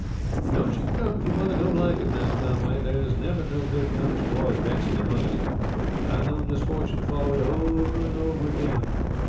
"Don't you come if your mother don't like it, Master Conway; there is never no good comes of boys vexing their mothers. I have known misfortune to follow it over and over again.